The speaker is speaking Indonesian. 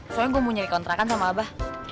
soalnya gue mau nyari kontrakan sama abah